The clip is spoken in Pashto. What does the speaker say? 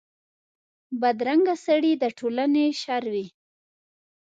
بدرنګه سړي د ټولنې شر وي